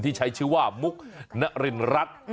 ใช้ชื่อว่ามุกนรินรัฐ